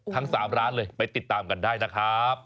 ทั้ง๓ร้านเลยไปติดตามกันได้นะครับ